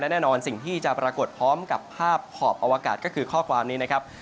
แน่นอนสิ่งที่จะปรากฏพร้อมกับภาพขอบอวกาศก็คือข้อความนี้นะครับ